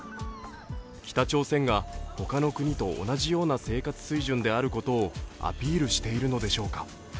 北朝鮮がほかの国と同じような生活水準であることをアピールしているのでしょうか。